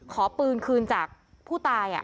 ขอปืนคืนจากผู้ตาย